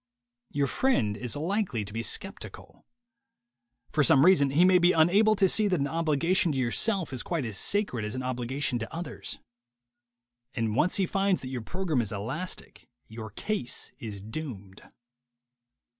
Your friend is likely to be skeptical. For some reason he may be unable to see that an obligation to yourself is quite as sacred as an obligation to others. And once he finds that your program is elastic, your case is doomed.